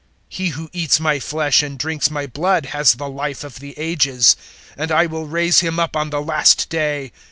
006:054 He who eats my flesh and drinks my blood has the Life of the Ages, and I will raise him up on the last day.